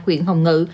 huyện hồng ngự